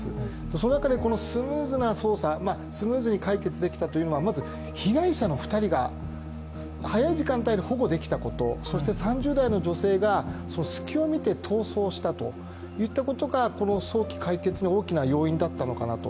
その中でスムーズな捜査、スムーズに解決できたというのはまず被害者の２人が早い時間帯に保護できたこと、そして３０代の女性が隙を見て逃走したといったところが、この早期解決の大きな要因だったのかなと。